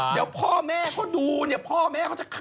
เดี๋ยวพ่อแม่เขาดูเนี่ยพ่อแม่เขาจะ